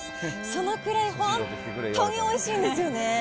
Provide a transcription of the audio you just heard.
そのくらい、本当においしいんですよね。